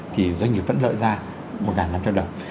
thì doanh nghiệp vẫn lợi ra một năm trăm linh đồng